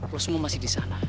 lo semua masih di sana